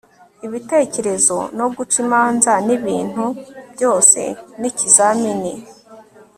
ibitekerezo no guca imanza nibintu byose ni ikizamini